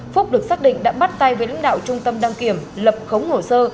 phúc được xác định đã bắt tay với lãnh đạo trung tâm đăng kiểm lập khống hồ sơ